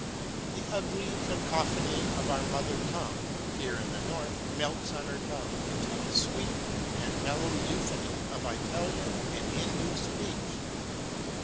The ugly cacophony of our mother tongue here in the north melts on her tongue into the sweet and mellow euphony of Italian and Hindu speech.